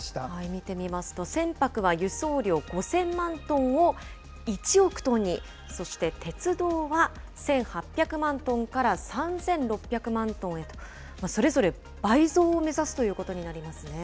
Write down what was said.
見てみますと、船舶は輸送量５０００万トンを１億トンに、そして鉄道は１８００万トンから３６００万トンへと、それぞれ倍増を目指すということになりますね。